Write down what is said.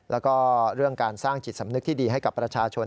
แล้วก็เรื่องการสร้างจิตสำนึกที่ดีให้กับประชาชน